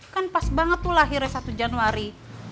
kan pas banget tuh lahirnya satu januari